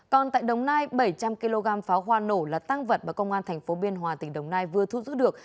còn tại đồng nai bảy trăm linh kg pháo hoa nổ là tăng vật mà công an tp biên hòa tỉnh đồng nai vừa thu giữ được